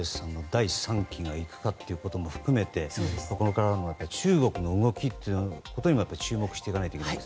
第３期行くかということも含めてこれからの中国の動きにも注目していかないといけない。